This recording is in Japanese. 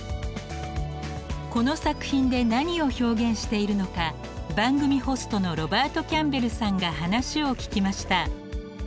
この作品で何を表現しているのか番組ホストのロバート・キャンベルさんが話を聞きました。